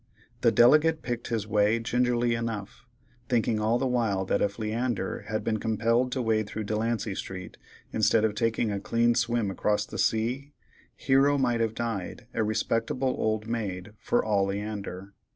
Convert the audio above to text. The delegate picked his way gingerly enough, thinking all the while that if Leander had been compelled to wade through Delancey street, instead of taking a clean swim across the sea, Hero might have died a respectable old maid for all Leander.